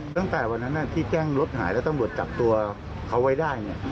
ตั้งแต่วันนั้นที่แจ้งรถหายแล้วตำรวจจับตัวเขาไว้ได้